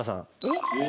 えっ？